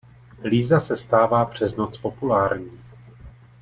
Líza se stává přes noc populární.